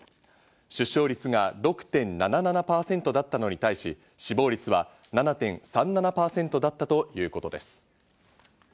出生率が６．７７％だったのに対し、死亡率は７．３７％だったということです。